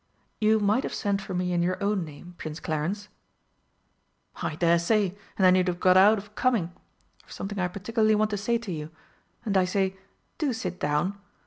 "You might have sent for me in your own name, Prince Clarence." "I daresay! And then you'd have got out of coming! I've something I particularly want to say to you. And I say do sit down.